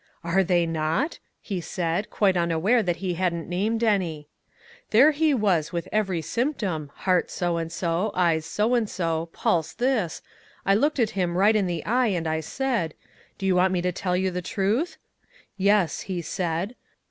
"Are they not?" he said, quite unaware that he hadn't named any. "There he was with every symptom, heart so and so, eyes so and so, pulse this I looked at him right in the eye and I said 'Do you want me to tell you the truth?' 'Yes,' he said.